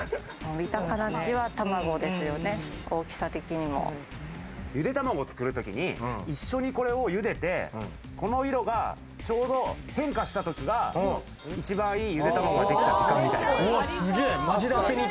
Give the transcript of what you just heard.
見た形は卵ですよね、大きさ的にも。ゆで卵を作るときに一緒にこれを茹でてこの色が、ちょうど変化した時が一番いいゆで卵ができた時間みたいな。